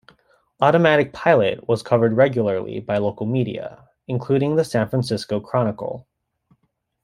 Automatic Pilot was covered regularly by local media including the San Francisco Chronicle.